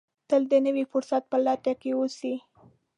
تل د نوي فرصت په لټه کې اوسئ.